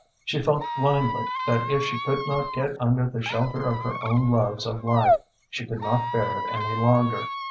She felt blindly that if she could not get under the shelter of her own loves of life she could not bear it any longer.